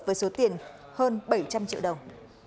với số tiền hơn bảy trăm linh triệu đồng